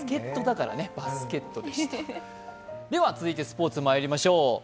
続いてスポーツまいりましょう。